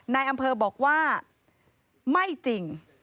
นายอำเภอบอกว่าไม่จริง